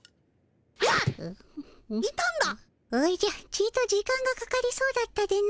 ちと時間がかかりそうだったでの。